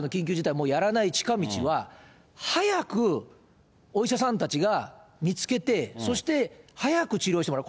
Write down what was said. もうやらない近道は、早くお医者さんたちが見つけて、そして早く治療してもらう。